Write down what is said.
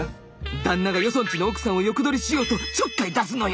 旦那がよそんちの奥さんを横取りしようとちょっかい出すのよ。